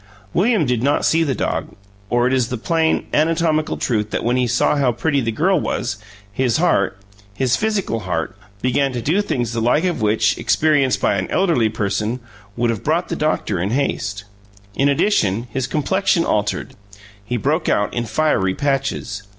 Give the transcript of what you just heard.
William did not see the dog, or it is the plain, anatomical truth that when he saw how pretty the girl was, his heart his physical heart began to do things the like of which, experienced by an elderly person, would have brought the doctor in haste. In addition, his complexion altered he broke out in fiery patches.